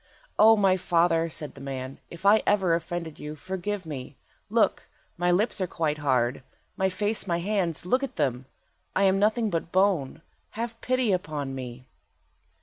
"O my father," said the man, "if I ever offended you, forgive me! Look! my lips are quite hard; my face, my hands, look at them! I am nothing but bone. Have pity upon me."